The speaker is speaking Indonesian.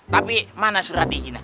tapi mana surat izinnya